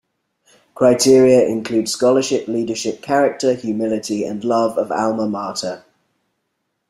Criteria include scholarship, leadership, character, humility, and love of "alma mater".